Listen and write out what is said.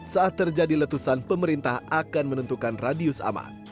saat terjadi letusan pemerintah akan menentukan radius aman